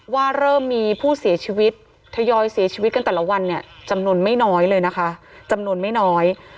ว่าเริ่มมีผู้เสียชีวิตทยอยเสียชีวิตกันแต่ละวันเนี่ยจำนวนไม่น้อยเลยนะคะจำนวนไม่น้อย